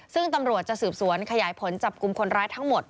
ซึ่งตำรวจจะสืบสวนขยายผลจับกลุ่มคนร้ายทั้งหมด